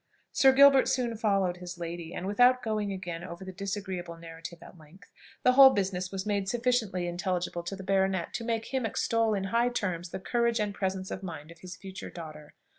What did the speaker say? Sir Gilbert soon followed his lady, and, without going again over the disagreeable narrative at length, the whole business was made sufficiently intelligible to the baronet to make him extol in high terms the courage and presence of mind of his future daughter.